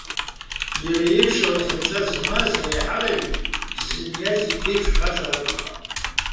Иара иеиԥш алахьынҵа змаз реиҳараҩык зыниаз иԥеиԥшхазар акәхап.